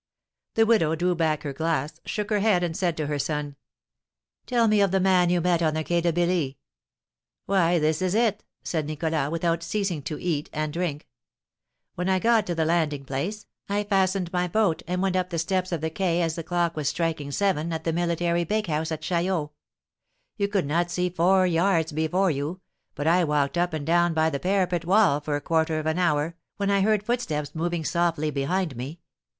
The widow drew back her glass, shook her head, and said to her son: "Tell me of the man you met on the Quai de Billy." "Why, this is it," said Nicholas, without ceasing to eat and drink: "When I got to the landing place, I fastened my boat, and went up the steps of the quay as the clock was striking seven at the military bakehouse at Chaillot. You could not see four yards before you, but I walked up and down by the parapet wall for a quarter of an hour, when I heard footsteps moving softly behind me.